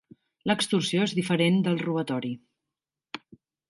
L'extorsió és diferent del robatori.